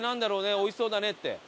美味しそうだねって。